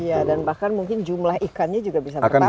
iya dan bahkan mungkin jumlah ikannya juga bisa bertambah